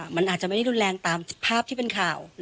มันอาจจะไม่ได้รุนแรงตามภาพที่เป็นข่าว